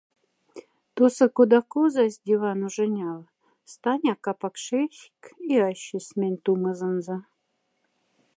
Тоса кодак озась диван уженяв, станяк апак шерьхк и ащесь мянь тумозонза.